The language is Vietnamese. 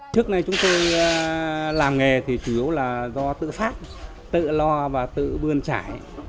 trước đây chúng tôi làm nghề thì chủ yếu là do tự phát tự lo và tự bươn trải